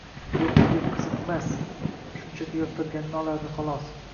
yo'qmi deb qiziqmas, shunchaki yoqtirganini olardi, xolos.